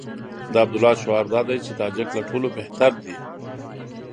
د عبدالله شعار دا دی چې تاجک له ټولو بهتر دي.